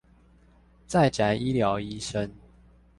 在宅醫療醫生